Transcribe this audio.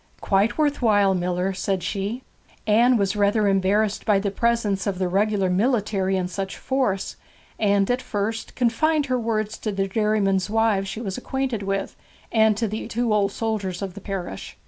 'Quite worth while, miller,' said she. Anne was rather embarrassed by the presence of the regular military in such force, and at first confined her words to the dairymen's wives she was acquainted with, and to the two old soldiers of the parish.